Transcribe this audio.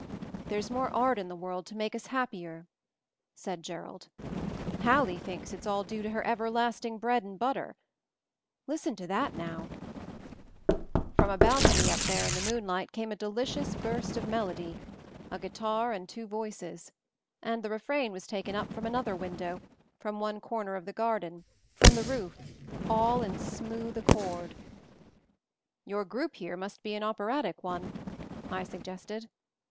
"There's more art in the world to make us happier," said Jerrold. Hallie thinks it's all due to her everlasting bread and butter. Listen to that now I" From a balcony up there in the moonlight came a delicious burst of melody ; a guitar and two voices, and the refrain was taken up from another window, from one corner of the garden, from the roof; all in smooth accord. 98 MOVING THE MOUNTAIN "Your group here must be an operatic one," I suggested.